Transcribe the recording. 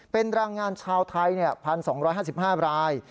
เป็นแรงงานชาวไทย๑๒๕๕ราย